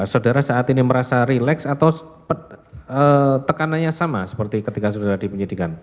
saudara saat ini merasa relax atau tekanannya sama seperti ketika sudah dipenyidikan